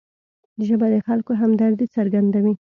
ژبه د خلکو همدردي څرګندوي